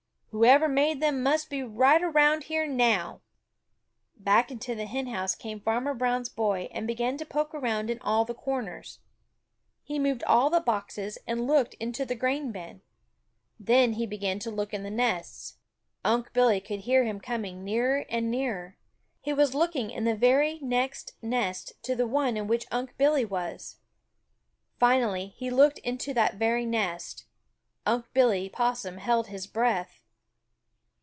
Whoever made them must be right around here now." Back into the hen house came Farmer Brown's boy and began to poke around in all the corners. He moved all the boxes and looked in the grain bin. Then he began to look in the nests. Unc' Billy could hear him coming nearer and nearer. He was looking in the very next nest to the one in which Unc' Billy was. Finally he looked into that very nest. Unc' Billy Possum held his breath.